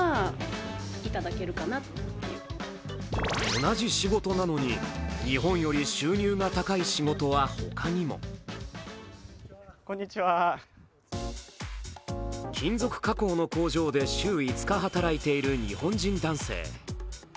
同じ仕事なのに日本より収入が高い仕事はほかにも金属加工の工場で週５日働いている日本人男性。